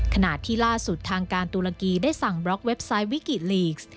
ขณะที่ล่าสุดทางการตุรกีได้สั่งบล็อกเว็บไซต์วิกิลีกส์